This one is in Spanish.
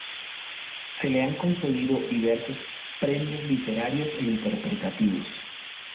Se le han concedido diversos premios literarios e interpretativos.